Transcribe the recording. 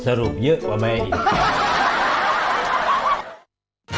สรุปเยอะกว่าใหม่